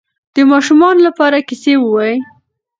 د ماشومانو لپاره کیسې ووایئ.